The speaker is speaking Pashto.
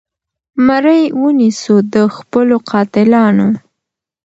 مرۍ ونیسو د خپلو قاتلانو